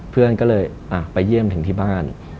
เพื่อนก็เลยไปเยี่ยมถึงที่บ้าน